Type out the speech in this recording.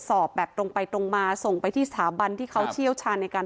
สอบแบบตรงไปตรงมาส่งไปที่สถาบันที่เขาเชี่ยวชาญในการ